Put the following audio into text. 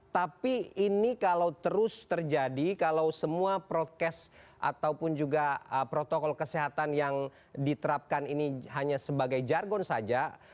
tapi ini kalau terus terjadi kalau semua protes ataupun juga protokol kesehatan yang diterapkan ini hanya sebagai jargon saja